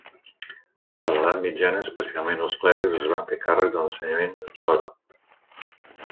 Des de l'edat mitjana, especialment els clergues es va fer càrrec de l'ensenyament en sòrab.